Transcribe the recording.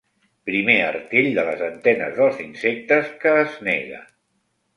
Primer artell de les antenes dels insectes que es nega.